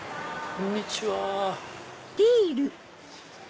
こんにちは。